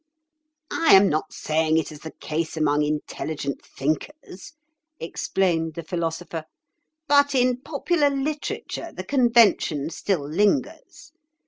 "I am not saying it is the case among intelligent thinkers," explained the Philosopher, "but in popular literature the convention still lingers.